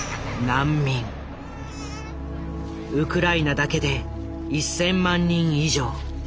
ウクライナだけで１，０００万人以上。